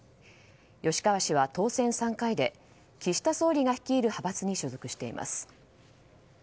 吉川氏は当選３回で岸田総理が率いる派閥に所属しています。